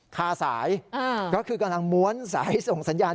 คาสายก็คือกำลังม้วนสายส่งสัญญาณ